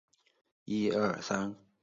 林廷圭之子。